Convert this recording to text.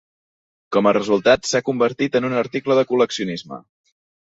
Com a resultat, s'ha convertit en un article de col·leccionisme.